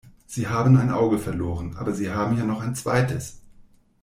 Sie haben ein Auge verloren, aber Sie haben ja noch ein zweites!